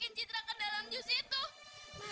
ibu ibu jangan diminum bu